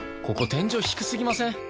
ここ天井低すぎません？